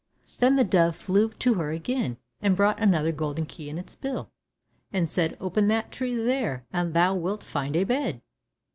Then the dove flew to her again, and brought another golden key in its bill, and said, "Open that tree there, and thou willt find a bed."